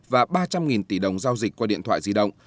và ba trăm linh tỷ đồng giao dịch qua điện thoại di động